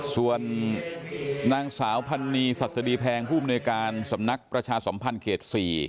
ส่วนนางสาวพันนีสัสดีแพงผู้มนุยการสำนักประชาสมพันธ์เขต๔